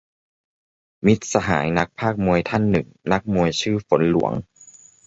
มิตรสหายนักพากย์มวยท่านหนึ่ง นักมวยชื่อฝนหลวง